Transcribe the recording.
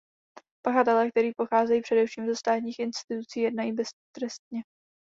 Pachatelé, kteří pocházejí především ze státních institucí, jednají beztrestně.